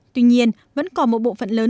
tuy nhiên vẫn còn một bộ phận lớn